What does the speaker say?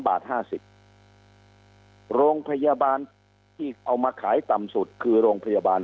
บาท๕๐โรงพยาบาลที่เอามาขายต่ำสุดคือโรงพยาบาล